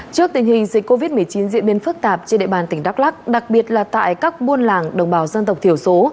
trước tình hình dịch covid một mươi chín diễn biến phức tạp trên địa bàn tỉnh đắk lắc đặc biệt là tại các buôn làng đồng bào dân tộc thiểu số